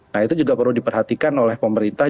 nah itu juga perlu diperhatikan oleh pemerintah